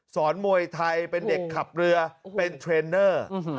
มวยไทยเป็นเด็กขับเรือเป็นเทรนเนอร์